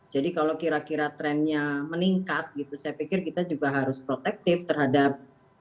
jadi kalau kira kira trendnya meningkat gitu saya pikir kita juga harus protektif terhadap